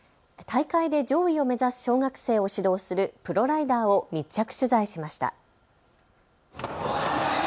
大会で上位を目指す小学生を指導するプロライダーを密着取材しました。